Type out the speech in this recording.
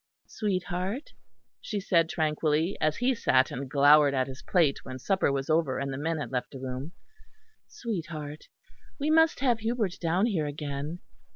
"Sweetheart," she said tranquilly, as he sat and glowered at his plate when supper was over and the men had left the room, "sweetheart, we must have Hubert down here again.